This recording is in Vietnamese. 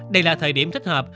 đây là thời điểm thích hợp